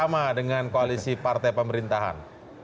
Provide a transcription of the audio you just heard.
sama dengan koalisi partai pemerintahan